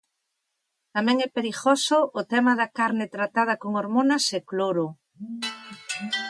Tamén é perigoso o tema da carne tratada con hormonas e cloro.